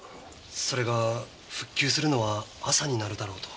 それが復旧するのは朝になるだろうと。